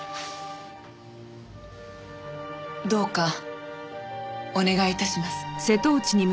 どうかお願い致します。